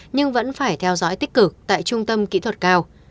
nhưng vẫn phải theo dõi tích cực tại trung tâm kỹ thuật cao